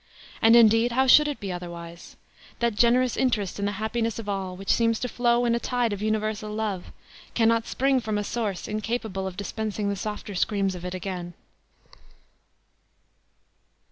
And, indeed, how should it be otherwise? That generous interest in the happiness of all, which seems to flow in a tide of universal love, cannot spring from a source incapable of dispensing the softer screams of it again."